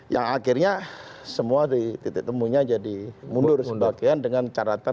yang akhirnya semua di titik temunya jadi mundur sebagian dengan caratan